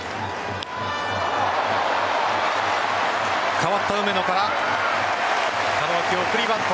代わった梅野から門脇、送りバント。